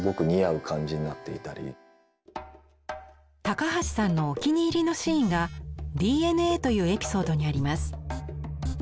高橋さんのお気に入りのシーンが「Ｄ・Ｎ・Ａ」というエピソードにあります。